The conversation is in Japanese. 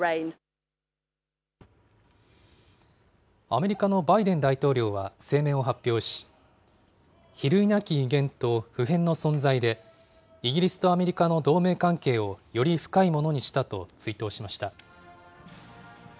アメリカのバイデン大統領は声明を発表し、比類なき威厳と不変の存在で、イギリスとアメリカの同盟関係をより深いものにしたと追悼しました。